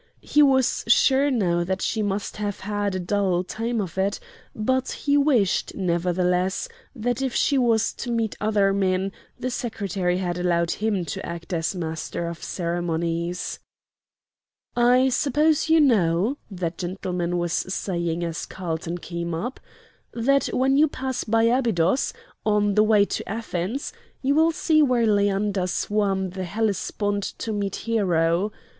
He was sure now that she must have had a dull time of it; but he wished, nevertheless, that if she was to meet other men, the Secretary had allowed him to act as master of ceremonies. "I suppose you know," that gentleman was saying as Carlton came up, "that when you pass by Abydos, on the way to Athens, you will see where Leander swam the Hellespont to meet Hero.